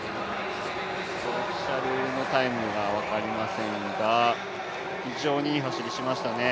オフィシャルのタイムが分かりませんが非常にいい走りをしましたね。